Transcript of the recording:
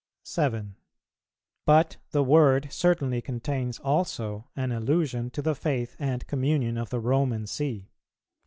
7. But the word certainly contains also an allusion to the faith and communion of the Roman See.